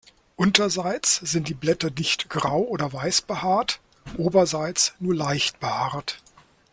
Unterseits sind die Blätter dicht grau oder weiß behaart, oberseits nur leicht behaart.